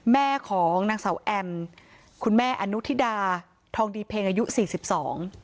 แม่ของนางเสาแอมคุณแม่อนุทิดาทองดีเพ็งอายุสี่สิบสอง